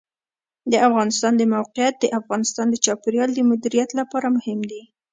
د افغانستان د موقعیت د افغانستان د چاپیریال د مدیریت لپاره مهم دي.